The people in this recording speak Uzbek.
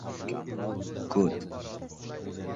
Supurgi keksaygani sayin qattiqroq va tirnab supiradi…